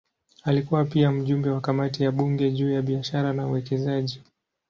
Alikuwa pia mjumbe wa kamati ya bunge juu ya biashara na uwekezaji.